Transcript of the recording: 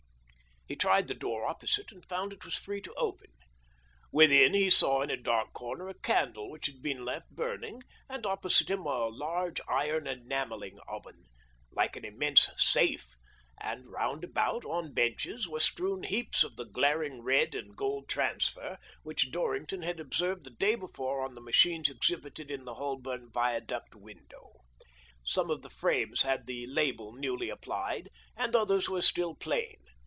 He tried the door opposite and found it was free to open. Within he saw in a dark comer a candle which had been left burning, and oppo site him a large iron enamelling oven, like an immense safe, and round about, on benches, were strewn heaps of the glaring red and gold transfer which Dorrington had observed the day before on the machines exhibited in the Holborn Viaduct window. Some of the frames had the label newly applied, and others were still plain.